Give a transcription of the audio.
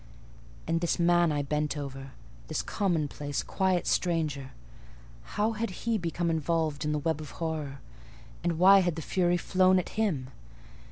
And this man I bent over—this commonplace, quiet stranger—how had he become involved in the web of horror? and why had the Fury flown at him?